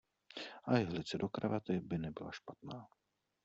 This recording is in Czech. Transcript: A jehlice do kravaty by nebyla špatná.